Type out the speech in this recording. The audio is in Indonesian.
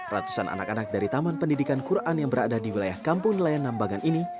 ratusan anak anak dari taman pendidikan quran yang berada di wilayah kampung nelayan nambangan ini